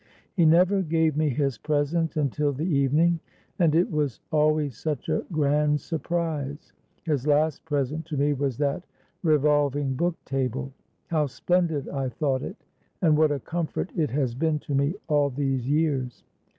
"He never gave me his present until the evening, and it was always such a grand surprise. His last present to me was that revolving book table. How splendid I thought it, and what a comfort it has been to me all these years.